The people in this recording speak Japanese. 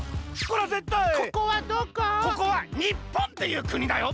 ここは日本っていうくにだよ。